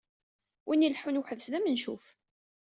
Win ileḥḥun uḥd-s d amencuf!